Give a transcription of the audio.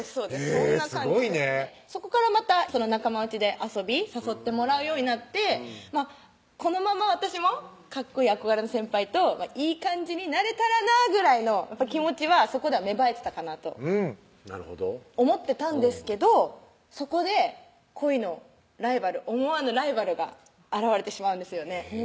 そこからまた仲間内で遊び誘ってもらうようになってこのまま私もかっこいい憧れの先輩といい感じになれたらなぐらいの気持ちはそこでは芽生えてたかなとうんなるほど思ってたんですけどそこで恋のライバル思わぬライバルが現れてしまうんですよね